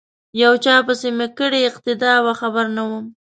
یو چا پسی می کړې اقتدا وه خبر نه وم